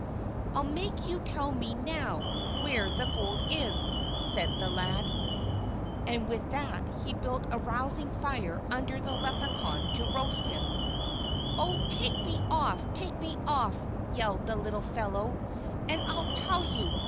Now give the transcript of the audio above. "I'll make you tell me now where the gold is!" said the lad. And with that he built a rousing fire under the Leprechaun to roast him. "Oh, take me off! Take me off!" yelled the little fellow, "and I'll tell you!